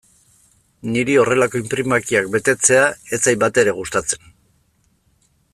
Niri horrelako inprimakiak betetzea ez zait batere gustatzen.